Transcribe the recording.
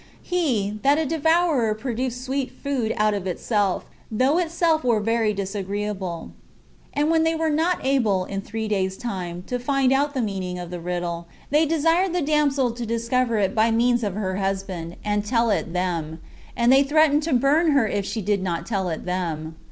He, "That a devourer produced sweet food out of itself, though itself were very disagreeable." And when they were not able, in three days' time, to find out the meaning of the riddle, they desired the damsel to discover it by the means of her husband, and tell it them; and they threatened to burn her if she did not tell it them.